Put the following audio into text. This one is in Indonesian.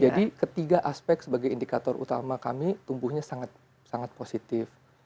jadi ketiga aspek sebagai indikator utama kami tumbuhnya sangat positif